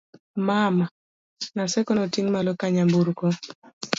mama, Naseko noting' malo ka nyamburko